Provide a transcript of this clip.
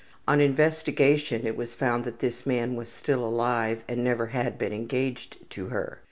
On investigation it was found that this man was still alive and never had been engaged to her.